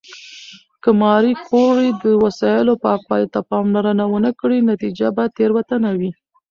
که ماري کوري د وسایلو پاکوالي ته پاملرنه ونه کړي، نتیجه به تېروتنه وي.